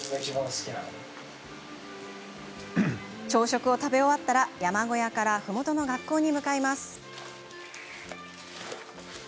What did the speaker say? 朝食を食べ終わったら山小屋からふもとの学校に向かいます。